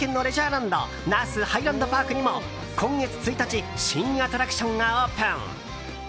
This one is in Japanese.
ランド那須ハイランドパークにも今月１日新アトラクションがオープン。